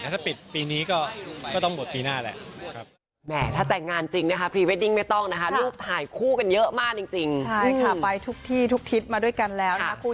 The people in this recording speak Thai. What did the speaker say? ถ้าปิดปีนี้ก็ต้องหมดปีหน้าแหละ